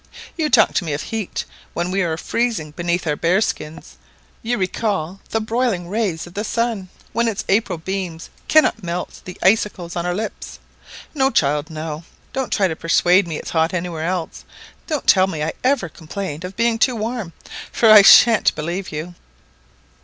You talk to me of heat, when we are freezing beneath our bearskins; you recall the broiling rays of the sun when its April beams cannot melt the icicles on our lips! No, child, no, don't try to persuade me it's hot anywhere else; don't tell me I ever complained of being too warm, for I sha'n't believe you!"